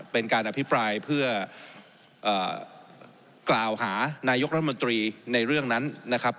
เป็นการอภิปรายเพื่อกล่าวหานายกรัฐมนตรีในเรื่องนั้นนะครับ